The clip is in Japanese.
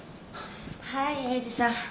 はい英治さん。